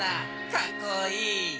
かっこいい。